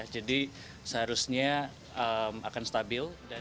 jadi seharusnya akan stabil